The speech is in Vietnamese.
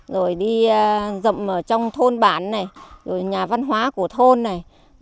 rồi đi dậm ở trong thôn bán này rồi nhà văn hoá của thôn này